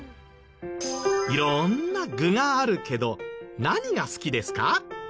色んな具があるけど何が好きですか？